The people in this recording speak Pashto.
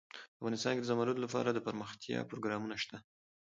افغانستان کې د زمرد لپاره دپرمختیا پروګرامونه شته.